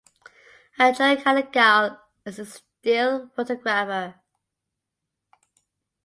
Arjun Kallingal is the still photographer.